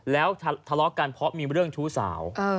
แล้วทะเลาะกันเพราะมีเรื่องชู้สาว